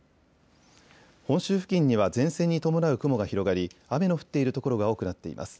本州付近には前線に伴う雲が広がり、雨の降っている所が多くなっています。